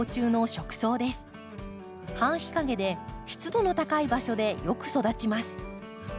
半日陰で湿度の高い場所でよく育ちます。